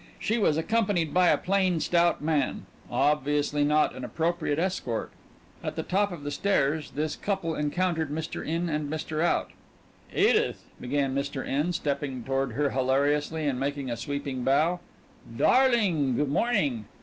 She was accompanied by a plain stout man, obviously not an appropriate escort. At the top of the stairs this couple encountered Mr. In and Mr. Out. "Edith," began Mr. In, stepping toward her hilariously and making a sweeping bow, "darling, good morning."